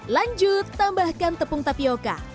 lanjut tambahkan tepung tapioca